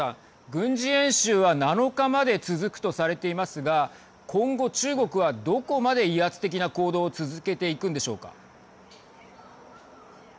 軍事演習は７日まで続くとされていますが今後、中国はどこまで威圧的な行動を続けていくんでしょうか。